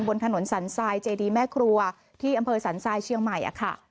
บนถนนสรรไซน์เจดีแม่ครัวที่อำเภอสรรไซน์เชียงใหม่อะค่ะ